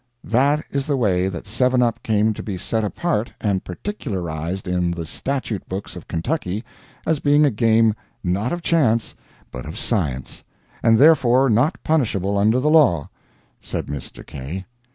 "That is the way that seven up came to be set apart and particularized in the statute books of Kentucky as being a game not of chance but of science, and therefore not punishable under the law," said Mr. K